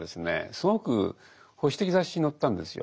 すごく保守的雑誌に載ったんですよ。